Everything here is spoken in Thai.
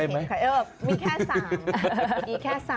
มีแค่๓